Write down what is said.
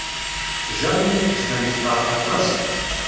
Jane la d-tettban tefṛeḥ aṭas.